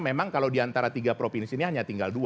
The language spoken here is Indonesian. memang kalau di antara tiga provinsi ini hanya tinggal dua